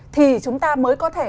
thì chúng ta mới có thể thực hiện